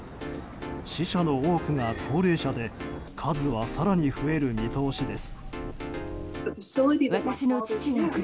死者の多くが高齢者で数は更に増える見通しです。